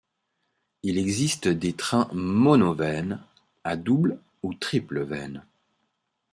Il existe des trains mono-veine, à double ou triple veines.